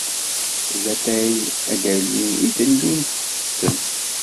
D latay adali i tellim tsessem?